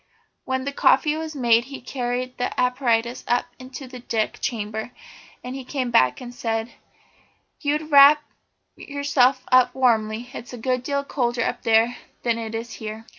When the coffee was made he carried the apparatus up into the deck chamber. Then he came back and said: "You'd better wrap yourself up warmly. It's a good deal colder up there than it is here."